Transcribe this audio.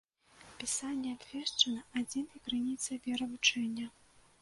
Пісанне абвешчана адзінай крыніцай веравучэння.